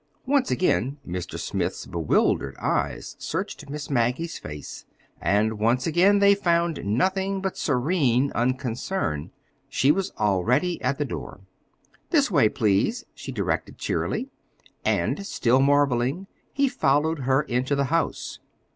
Once again Mr. Smith's bewildered eyes searched Miss Maggie's face and once again they found nothing but serene unconcern. She was already at the door. "This way, please," she directed cheerily. And, still marveling, he followed her into the house.